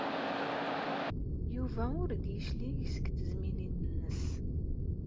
Yuba ur d-yeclig seg tezmilin-nnes.